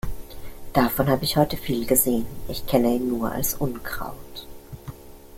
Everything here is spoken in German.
Davon hab ich heute viel gesehen. Ich kenne ihn nur als Unkraut.